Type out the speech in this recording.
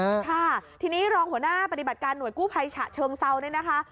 ค่ะทีนี้รองหัวหน้าปฏิบัติการหน่วยกู้ภัยฉะเชิงเซาเนี่ยนะคะ